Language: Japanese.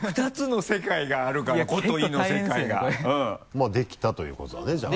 まぁできたということだねじゃあ